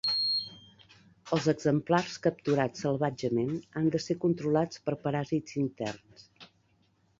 Els exemplars capturats salvatgement han de ser controlats per paràsits interns.